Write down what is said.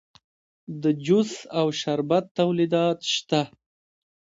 د جوس او شربت تولیدات شته